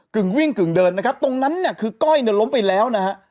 วิ่งกึ่งเดินนะครับตรงนั้นเนี่ยคือก้อยเนี่ยล้มไปแล้วนะฮะ